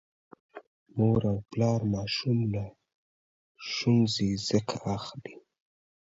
مور او پلا ماشوم له ښوونځي څخه اخلي.